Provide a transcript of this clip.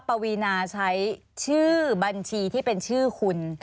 ปวีนาใช้ชื่อบัญชีที่เป็นชื่อคุณ